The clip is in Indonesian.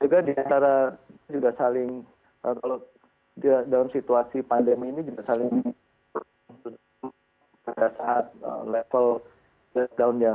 juga diantara juga saling kalau dalam situasi pandemi ini juga saling pada saat level lockdownnya